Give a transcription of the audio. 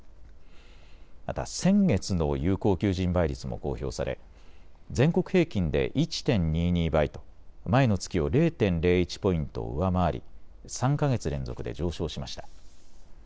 また先月の有効求人倍率も公表され全国平均で１．２２倍と前の月を０．０１ポイント上回り３か月連続で上昇しました。